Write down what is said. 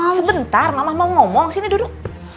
oh sebentar mama mau ngomong sini duduk